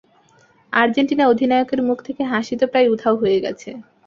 Argentina অধিনায়কের মুখ থেকে হাসি তো প্রায় উধাও হয়ে গেছে।